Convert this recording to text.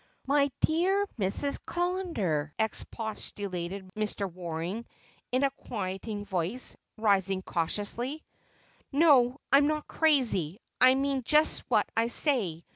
"My dear Mrs. Callender," expostulated Mr. Waring in a quieting voice, rising cautiously. "No, I'm not crazy! I mean just what I say.